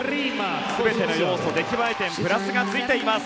全ての要素、出来栄え点プラスがついています